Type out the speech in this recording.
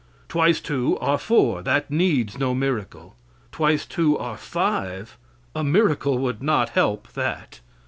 Twice two are four; that needs no miracle. Twice two are five a miracle would not help that.